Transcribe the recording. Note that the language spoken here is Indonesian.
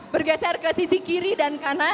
bergeser ke sisi kiri dan kanan